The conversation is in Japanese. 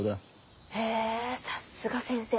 へさっすが先生。